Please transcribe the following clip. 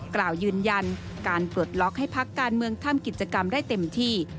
กล่าวยืนยันการปลดล็อกให้พักการเมืองทำกิจกรรมได้เต็มที่